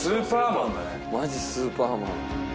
マジスーパーマン。